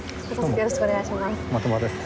よろしくお願いします。